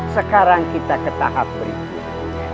sekarang kita ke tahap berikut